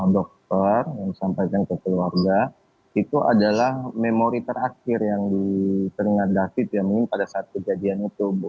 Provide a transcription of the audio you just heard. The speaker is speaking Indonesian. dokter yang sampai ke keluarga itu adalah memori terakhir yang diteringat david pada saat kejadian itu